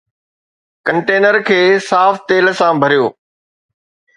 Container کي صاف تيل سان ڀريو.